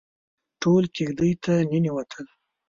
ټول کېږدۍ ته ننوتل.